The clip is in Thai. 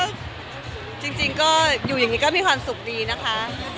จริงก็อยู่อย่างนี้ก็มีความสุขดีนะคะ